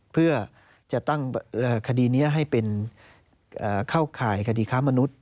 เพื่อจะตั้งคดีนี้ให้เป็นเข้าข่ายคดีค้ามนุษย